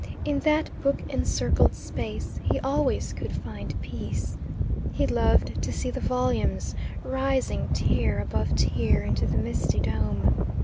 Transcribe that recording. In that book encircled space he always could find peace. He loved to see the volumes rising tier above tier into the misty dome.